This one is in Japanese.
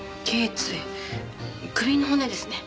頚椎首の骨ですね。